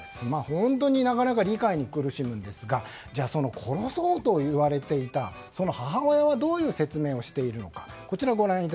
本当になかなか理解に苦しみますがその殺そうといわれていた母親はどういう説明をしているのか。